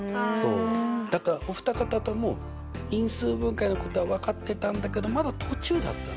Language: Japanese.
だからお二方とも因数分解のことは分かってたんだけどまだ途中だった。